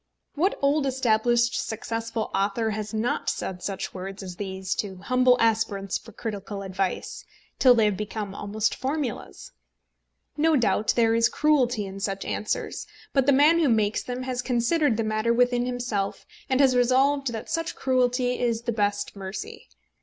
What old established successful author has not said such words as these to humble aspirants for critical advice, till they have become almost formulas? No doubt there is cruelty in such answers; but the man who makes them has considered the matter within himself, and has resolved that such cruelty is the best mercy.